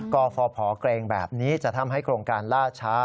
กฟภเกรงแบบนี้จะทำให้โครงการล่าช้า